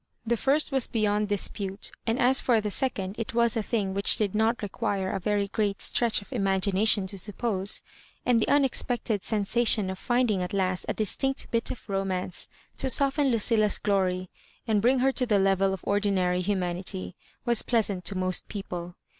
The first was beyond dispute, and as for the second it was a thing which did not require a very great stretch of imagination to suppose— and the unexpected sensation of finding at last a distinct bit of romance to soften Lucilla's glory and bring her to the level of ordinary human ity, was pleasant to most people.